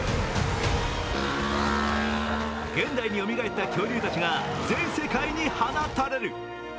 現代によみがえった恐竜たちが全世界に放たれる。